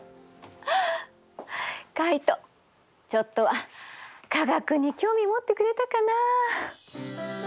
カイトちょっとは科学に興味持ってくれたかな。